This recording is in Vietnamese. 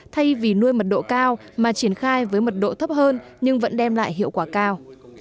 thay vì nuôi mật độ cao mà triển khai với mật độ thấp hơn nhưng vẫn đem lại hiệu quả cao